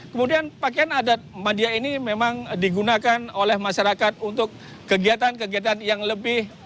kemudian pakaian adat madia ini memang digunakan oleh masyarakat untuk kegiatan kegiatan yang lebih